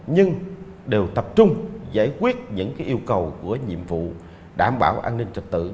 nhưng đều tập trung giải quyết những yêu cầu của nhiệm vụ đảm bảo an ninh trật tự